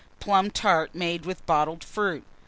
Plum tart made with bottled fruit.